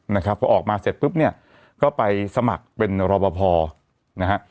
นะครับพอออกมาเสร็จปุ๊บเนี่ยก็ไปสมัครเป็นรอปภนะฮะ